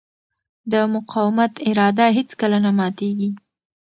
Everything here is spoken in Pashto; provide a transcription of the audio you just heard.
د مقاومت اراده هېڅکله نه ماتېږي.